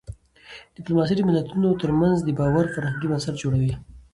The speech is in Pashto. ډيپلوماسي د ملتونو ترمنځ د باور فرهنګي بنسټ جوړوي.